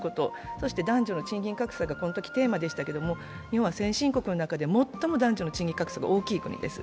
そして男女の賃金格差がこのときテーマでしたけれども、日本は先進国の中で最も男女の賃金格差が大きい国です。